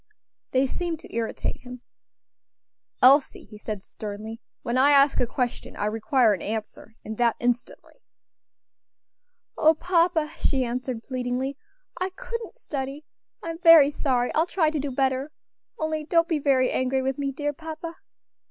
They seemed to irritate him. "Elsie," he said, sternly, "when I ask a question, I require an answer, and that instantly." "O papa!" she answered, pleadingly, "I couldn't study. I'm very sorry I'll try to do better only don't be very angry with me, dear papa."